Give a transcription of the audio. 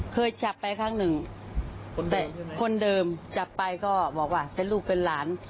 เคยจับไปครั้งหนึ่งแต่คนเดิมจับไปก็บอกว่าเป็นลูกเป็นหลาน